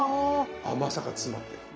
甘さが詰まってる。